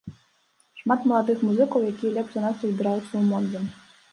Шмат маладых музыкаў, якія лепш за нас разбіраюцца ў модзе.